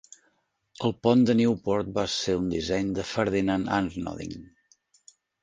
El pont de Newport va ser un disseny de Ferdinand Arnodin.